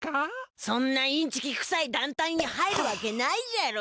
そんなインチキくさい団体に入るわけないじゃろ！